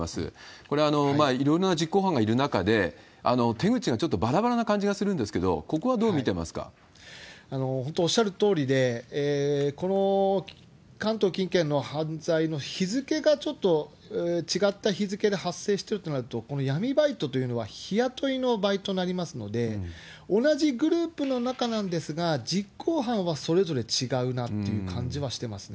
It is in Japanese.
これ、いろんな実行犯がいる中で、手口がちょっとばらばらな感じがするんですけれども、本当、おっしゃるとおりで、この関東近県の犯罪の日付がちょっと違った日付で発生しているとなると、この闇バイトというのは日雇いのバイトになりますので、同じグループの中なんですが、実行犯はそれぞれ違うなという感じはしてますね。